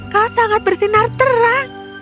kau sangat bersinar terang